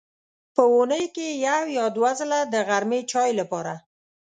په اوونۍ کې یو یا دوه ځله د غرمې چای لپاره.